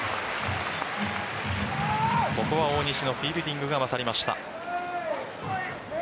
ここは大西のフィールディングが勝りました。